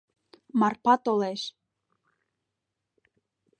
Марпа толеш.